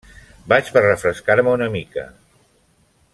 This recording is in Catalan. Vaig per refrescar-me una mica.